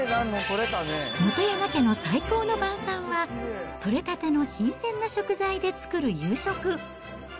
本山家の最高の晩さんは、取れたての新鮮な食材で作る夕食。